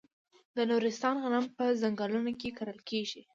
د نورستان غنم په ځنګلونو کې کرل کیږي.